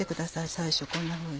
最初こんなふうに。